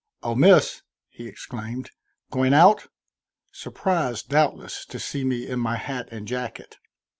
"Oh, Miss!" he exclaimed, "going out?" surprised, doubtless, to see me in my hat and jacket.